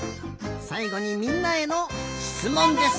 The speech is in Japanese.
さいごにみんなへのしつもんです！